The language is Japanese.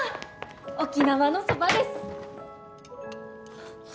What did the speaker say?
沖縄のそばです。